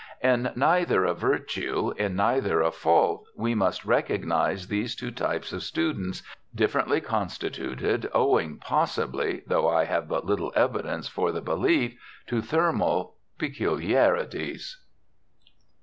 In neither a virtue, in neither a fault we must recognize these two types of students, differently constituted, owing possibly though I have but little evidence for the belief to thermal peculiarities.